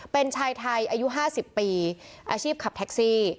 เป็นชายไทยอายุ๕๐ปีอาชีพขับแท็กซี่